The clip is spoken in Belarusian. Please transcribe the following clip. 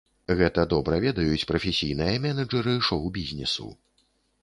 Гэта добра ведаюць прафесійныя менеджэры шоу-бізнесу.